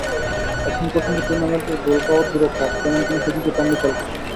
এখন পর্যন্ত টুর্নামেন্টে গোল পাওয়া দূরে থাক, তেমন কোনো সুযোগই পাননি ফ্যালকাও।